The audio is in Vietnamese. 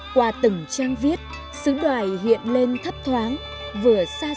qua từng trang viết sứ đoài hiện lên thấp thoáng vừa xa xôi vừa gần gũi